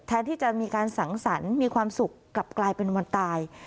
ที่จะมีการสังสรรค์มีความสุขกลับกลายเป็นวันตาย